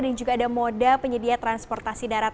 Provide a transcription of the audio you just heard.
dan juga ada moda penyedia transportasi darat